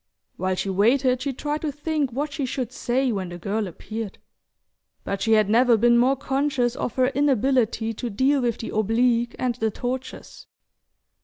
While she waited she tried to think what she should say when the girl appeared; but she had never been more conscious of her inability to deal with the oblique and the tortuous.